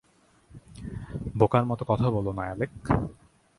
বোকার মত কথা বলোনা, অ্যালেক।